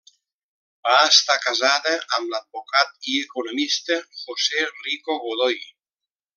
Va estar casada amb l'advocat i economista José Rico Godoy.